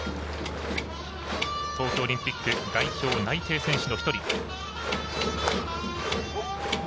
東京オリンピック代表内定選手の１人。